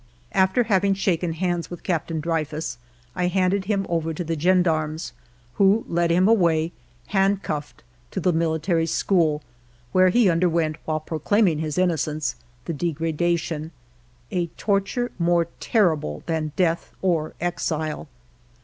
After having shaken hands with Captain Dreyfus, I handed him over to the gendarmes, who led him away, hand cuffed, to the Military School, where he underwent, while proclaiming his innocence, the degradation, — a torture more terrible than death or exile.